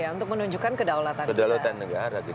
untuk menunjukkan kedaulatan negara